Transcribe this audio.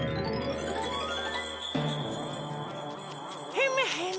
ヘムヘム。